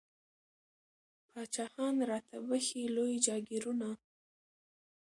پاچاهان را ته بخښي لوی جاګیرونه